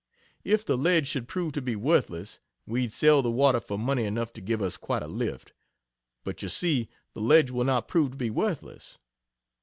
If the ledge should prove to be worthless, we'd sell the water for money enough to give us quite a lift. But you see, the ledge will not prove to be worthless.